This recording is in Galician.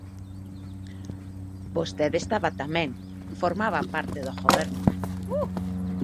Vostedes estaba tamén, formaba parte do goberno.